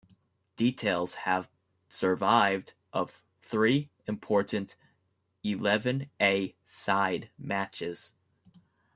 Details have survived of three important eleven-a-side matches.